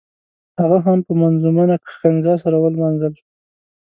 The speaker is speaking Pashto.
هغه هم په منظمونه ښکنځا سره ونمانځل شو.